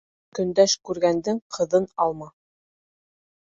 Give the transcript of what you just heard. Көндәш күргәндең ҡыҙын алма.